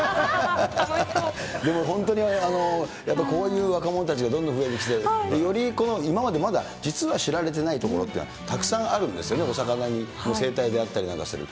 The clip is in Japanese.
でも本当にこういう若者たちがどんどん増えてきて、より今までまだ、実は知られてない所っていうのは、たくさんあるんですよね、お魚の生態であったりなんかする。